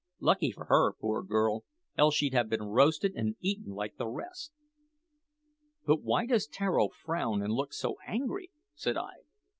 Lucky for her, poor girl, else she'd have been roasted and eaten like the rest." "But why does Tararo frown and look so angry?" said I.